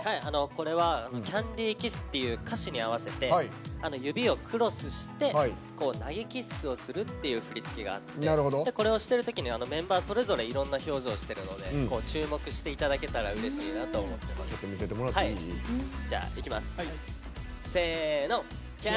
これは「ＣａｎｄｙＫｉｓｓ」という歌詞に合わせて指をクロスして投げキッスをするっていう振り付けがあってこれをしているときメンバーはいろんな表情してるので注目していただけたら見せてもらっていい？